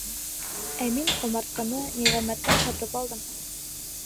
Ә мин ҡомартҡыны Ниғәмәттән һатып алдым!